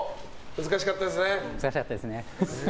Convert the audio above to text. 難しかったですね。